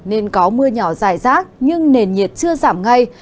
nên có mưa nhỏ dài rác nhưng nền nhiệt chưa giảm ngay